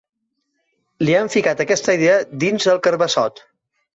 Li han ficat aquesta idea dins el carbassot.